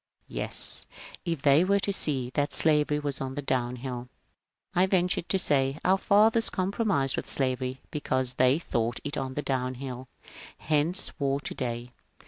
"" Yes, if they were to see that slavery was on the downhill." I ventured to say, " Our fathers compromised with slavery because they thought it on the downhill ; hence war to day."